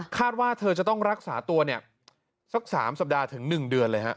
ว่าเธอจะต้องรักษาตัวเนี่ยสัก๓สัปดาห์ถึง๑เดือนเลยฮะ